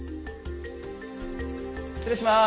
失礼します。